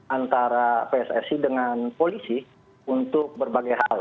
antara pssi dengan polisi untuk berbagai hal